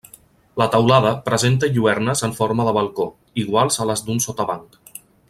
La teulada presenta lluernes en forma de balcó, iguals a les d'un sotabanc.